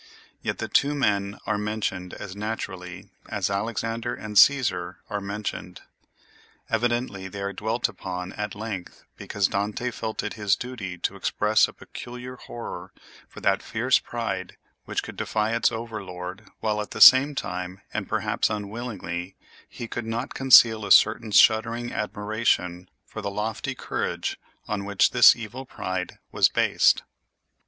Yet the two men are mentioned as naturally as Alexander and Cæsar are mentioned. Evidently they are dwelt upon at length because Dante felt it his duty to express a peculiar horror for that fierce pride which could defy its overlord, while at the same time, and perhaps unwillingly, he could not conceal a certain shuddering admiration for the lofty courage on which this evil pride was based.